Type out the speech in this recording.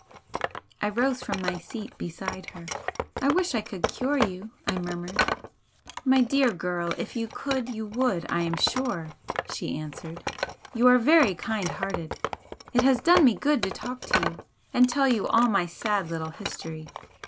I rose from my seat beside her. "I wish I could cure you!" I murmured. "My dear girl, if you could, you would, I am sure," she answered "You are very kind hearted. It has done me good to talk to you and tell you all my sad little history.